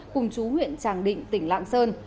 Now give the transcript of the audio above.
cùng chú huyện tràng định tỉnh lạng sơn